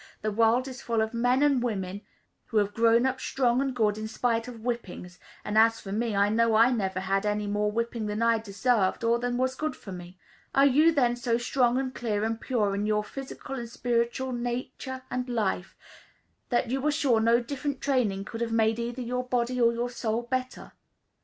The world is full of men and women, who have grown up strong and good, in spite of whippings; and as for me, I know I never had any more whipping than I deserved, or than was good for me." Are you then so strong and clear and pure in your physical and spiritual nature and life, that you are sure no different training could have made either your body or your soul better?